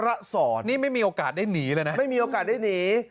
สอนนี่ไม่มีโอกาสได้หนีเลยนะไม่มีโอกาสได้หนี